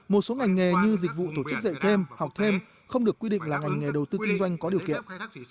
một số ngành nghề như dịch vụ tổ chức dạy thêm học thêm không được quy định là ngành nghề đầu tư kinh doanh có điều kiện